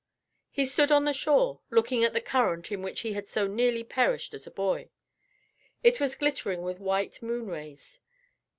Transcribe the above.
He stood on the shore, looking at the current in which he had so nearly perished as a boy. It was glittering with white moon rays.